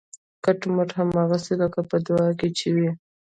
کټ مټ هماغسې لکه په دعا کې چې وي